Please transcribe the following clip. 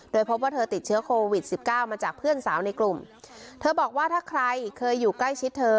โดยพบว่าเธอติดเชื้อโควิดสิบเก้ามาจากเพื่อนสาวในกลุ่มเธอบอกว่าถ้าใครเคยอยู่ใกล้ชิดเธอ